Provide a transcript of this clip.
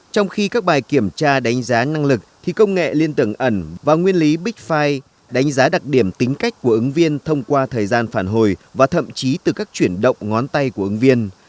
trong khi các bài kiểm tra đánh giá năng lực thì công nghệ liên tưởng ẩn và nguyên lý big fire đánh giá đặc điểm tính cách của ứng viên thông qua thời gian phản hồi và thậm chí từ các chuyển động ngón tay của ứng viên